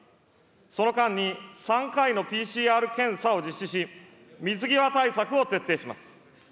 その間に、３回のＰＣＲ検査を実施し、水際対策を徹底します。